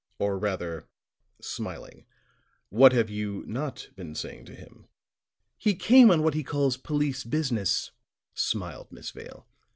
or rather," smiling, "what have you not been saying to him?" "He came on what he calls 'police business,'" smiled Miss Vale.